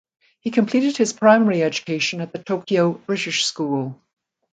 He completed his primary education at the Tokyo "British School".